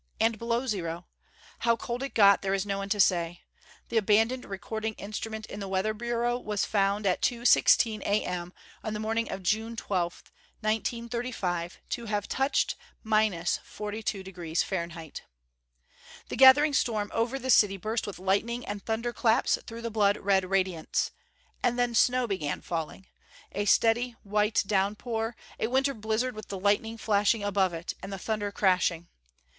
And below zero! How cold it got, there is no one to say. The abandoned recording instrument in the Weather Bureau was found, at 2:16 A.M., the morning of June 12, 1935, to have touched minus 42° F. The gathering storm over the city burst with lightning and thunder claps through the blood red radiance. And then snow began falling. A steady white downpour, a winter blizzard with the lightning flashing above it, and the thunder crashing.